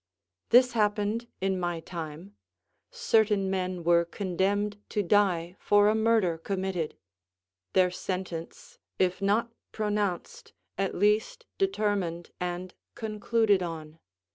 This happened in my time: certain men were condemned to die for a murder committed; their sentence, if not pronounced, at least determined and concluded on.